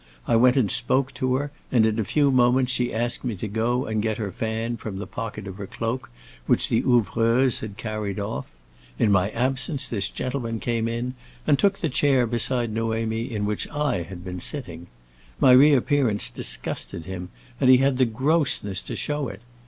I went and spoke to her, and in a few moments she asked me to go and get her fan from the pocket of her cloak, which the ouvreuse had carried off. In my absence this gentleman came in and took the chair beside Noémie in which I had been sitting. My reappearance disgusted him, and he had the grossness to show it.